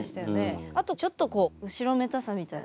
あとちょっとこう後ろめたさみたいな。